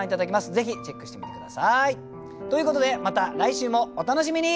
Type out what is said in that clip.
ぜひチェックしてみて下さい。ということでまた来週もお楽しみに。